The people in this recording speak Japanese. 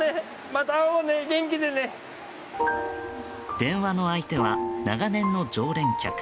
電話の相手は、長年の常連客。